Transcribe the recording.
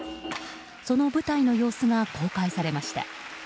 その舞台の様子が公開されました。